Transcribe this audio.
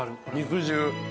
肉汁。